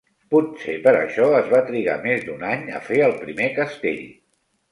Potser per això, es va trigar més d'un any a fer el primer castell.